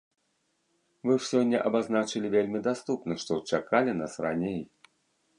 Вы ж сёння абазначылі вельмі даступна, што чакалі нас раней.